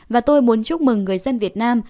và tôi muốn chúc mừng người dân việt nam